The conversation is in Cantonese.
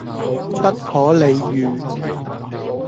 不可理喻